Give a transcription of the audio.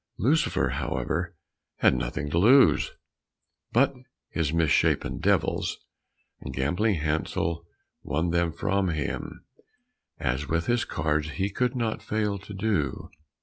Lucifer, however, had nothing to lose, but his mis shapen devils, and Gambling Hansel won them from him, as with his cards he could not fail to do.